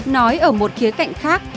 nói ở một khía cạnh khác